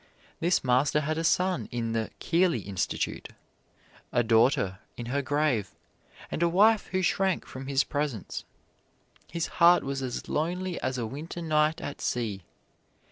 This master had a son in the "Keeley Institute," a daughter in her grave, and a wife who shrank from his presence. His heart was as lonely as a winter night at sea.